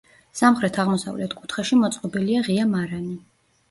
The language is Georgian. სამხრეთ-აღმოსავლეთ კუთხეში მოწყობილია ღია მარანი.